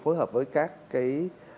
phối hợp với các cái